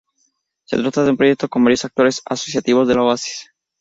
Se trata de un proyecto con varios actores asociativos de los oasis.